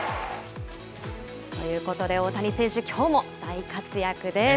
ということで、大谷選手、きょうも大活躍です。